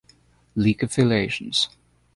League affiliations.